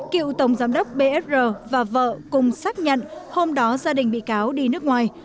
cựu tổng giám đốc bsr và vợ cùng xác nhận hôm đó gia đình bị cáo đi nước ngoài